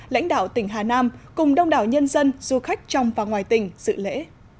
lãnh đạo tỉnh hà nam cùng đông đảo nhân dân du khách trong và ngoài tỉnh dự lễ